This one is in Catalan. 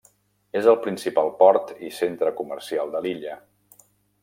És el principal port i centre comercial de l'illa.